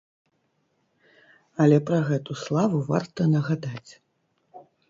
Але пра гэту славу варта нагадаць.